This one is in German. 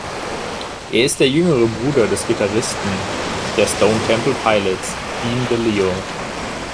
Er ist der jüngere Bruder des Gitarristen der Stone Temple Pilots, Dean DeLeo.